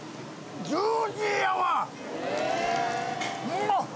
うまっ！